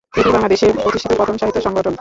এটিই বাংলাদেশে প্রতিষ্ঠিত প্রথম সাহিত্য সংগঠন।